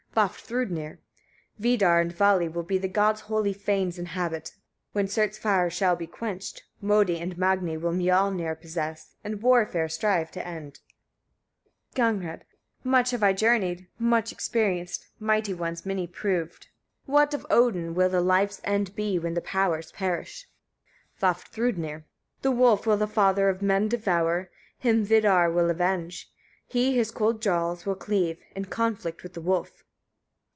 Vafthrûdnir. 51. Vidar and Vali will the gods' holy fanes inhabit, when Surt's fire shall be quenched. Môdi and Magni will Miöllnir possess, and warfare strive to end. Gagnrâd. 52. Much have I journeyed, etc. What of Odin will the life's end be, when the powers perish? Vafthrûdnir. 53. The wolf will the father of men devour; him Vidar will avenge: he his cold jaws will cleave, in conflict with the wolf.